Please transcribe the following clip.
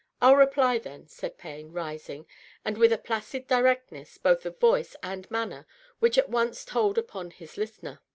" I'll reply, then," said Payne, rising, and with a placid directness both of voice and manner which at once told upon his listener.